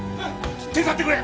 手伝ってくれ！